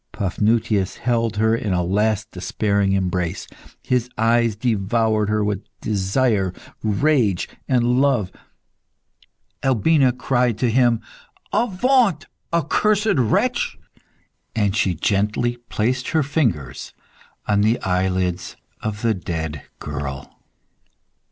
Paphnutius held her in a last despairing embrace; his eyes devoured her with desire, rage, and love. Albina cried to him "Avaunt, accursed wretch!" And she gently placed her fingers on the eyelids of the dead girl.